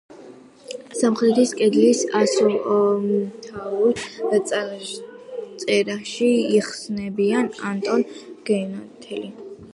სამხრეთის კედლის ასომთავრულ წარწერაში იხსენიება ანტონ გენათელი.